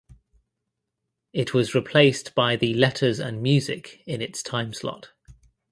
It was replaced by the "Letters and Music" in its timeslot.